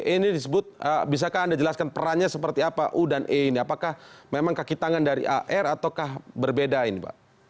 ini disebut bisakah anda jelaskan perannya seperti apa u dan e ini apakah memang kaki tangan dari ar ataukah berbeda ini pak